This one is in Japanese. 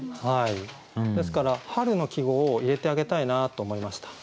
ですから春の季語を入れてあげたいなと思いました。